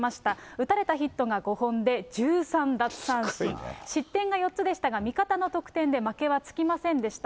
打たれたヒットが５本で１３奪三振、失点が４つでしたが、味方の得点で負けはつきませんでした。